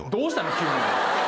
急に。